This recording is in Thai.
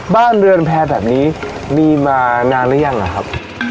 บ้านเรือนแพรแบบนี้มีมานานหรือยังหรือครับ